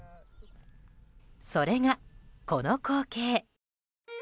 それが、この光景。